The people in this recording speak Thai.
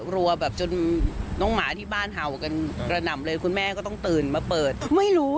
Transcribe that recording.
รัวแบบจนน้องหมาที่บ้านเห่ากันระหนำเลยคุณแม่ก็ต้องตื่นมาเปิดไม่รู้